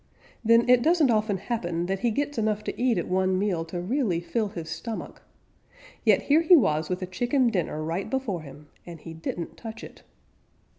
Then it doesn't often happen that he gets enough to eat at one meal to really fill his stomach. Yet here he was with a chicken dinner right before him, and he didn't touch it.